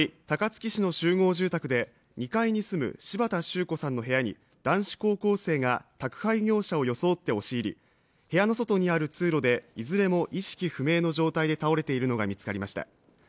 高槻市の集合住宅で２階に住む柴田周子さんの部屋に男子高校生が宅配業者を装って押し入り部屋の外にある通路でいずれも意識不明の状態で倒れているのが見つかりました